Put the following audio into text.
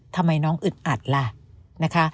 ทำไมน้องอึดอัดล่ะนะคะ